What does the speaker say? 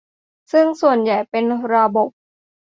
ซึ่งส่วนใหญ่เป็นระบบ